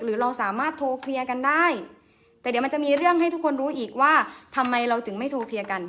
เราสามารถโทรเคลียร์กันได้แต่เดี๋ยวมันจะมีเรื่องให้ทุกคนรู้อีกว่าทำไมเราถึงไม่โทรเคลียร์กัน